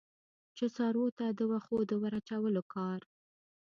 چې څارویو ته د وښو د ور اچولو کار.